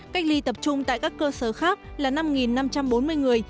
cách ly tập trung tại các cơ sở khác là năm năm trăm bốn mươi người